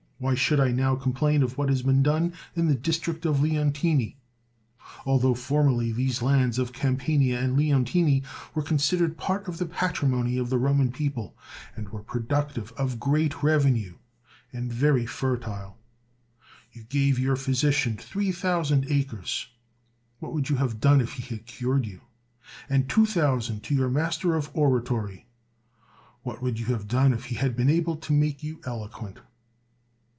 Why should I now complain of what has been done in the district of Leontini? Altho formerly these lands of Campania and Leontini were considered part of the patrimony of the Roman people, and were productive of great revenue, and very fertile. 195 THE WORLD'S FAMOUS ORATIONS You gave your physician three thousand acres; what would you have done if he had cured you? and two thousand to your master of oratory; what would you have done if he had been able to make you eloquent